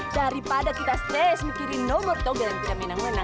daripada kita stres mikirin nomor togel yang tidak menang menang